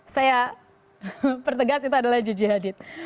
saya pertegas itu adalah jj hadid